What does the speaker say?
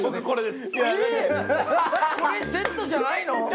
これセットじゃないの？